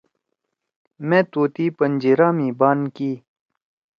مأ طوطی پنجیِرہ می بان کی۔